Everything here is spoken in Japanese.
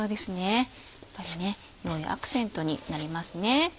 やっぱり良いアクセントになりますね。